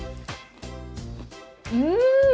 うん！